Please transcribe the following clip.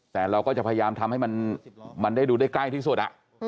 แต่เราก็จะพยายามทำให้มันได้ดูได้ใกล้ที่สุด